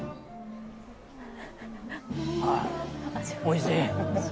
ああっ、おいしい！